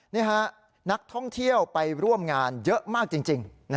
นี่ฮะนักท่องเที่ยวไปร่วมงานเยอะมากจริง